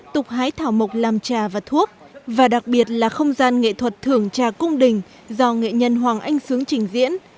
tục hái thảo mộc làm trà và thuốc và đặc biệt là không gian nghệ thuật thưởng trà cung đình do nghệ nhân hoàng anh sướng trình diễn